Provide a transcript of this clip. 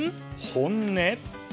本音？